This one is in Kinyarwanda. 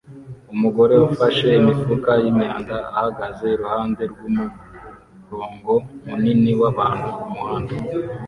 Umugore ufashe imifuka yimyanda ahagaze iruhande rwumurongo munini wabantu kumuhanda